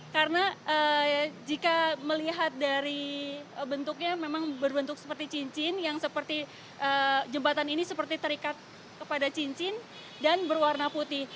karena jika melihat dari bentuknya memang berbentuk seperti cincin yang seperti jembatan ini seperti terikat kepada cincin dan berwarna putih